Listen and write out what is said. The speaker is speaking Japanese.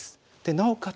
なおかつ